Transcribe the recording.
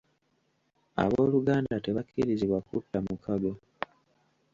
Ab'oluganda tebakkirizibwa kutta mukago.